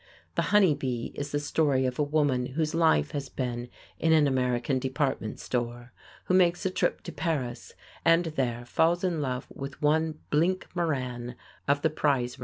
"The Honey Bee" is the story of a woman whose life has been in an American department store, who makes a trip to Paris, and there falls in love with one Blink Moran, of the prize ring.